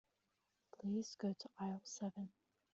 Please go to aisle seven.